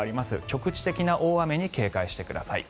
局地的な大雨に警戒してください。